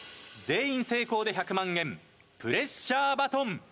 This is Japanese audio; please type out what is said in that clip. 全員成功で１００万円プレッシャーバトン。